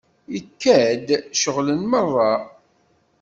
Ikad-d ceɣlen merra.